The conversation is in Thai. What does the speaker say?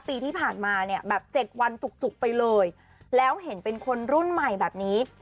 ปีที่ผ่านมาเนี่ยแบบ๗วันจุกไปเลยแล้วเห็นเป็นคนรุ่นใหม่แบบนี้